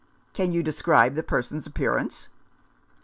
" Can you describe the person's appearance